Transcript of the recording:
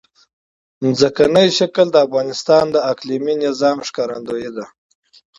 ځمکنی شکل د افغانستان د اقلیمي نظام ښکارندوی ده.